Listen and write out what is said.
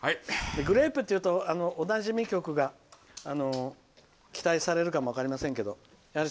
グレープというと、おなじみ曲が期待されるかも分からないですけどやはり